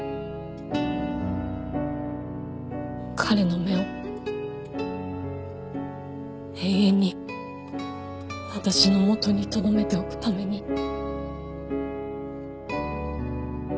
彼の目を永遠に私のもとにとどめておくために。